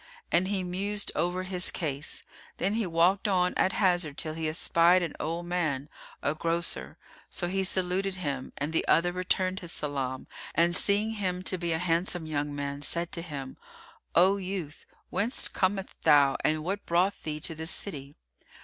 And he mused over his case. Then he walked on at hazard till he espied an old man, a grocer.[FN#337] So he saluted him and the other returned his salam and seeing him to be a handsome young man, said to him, "O youth, whence comest thou and what brought thee to this city?"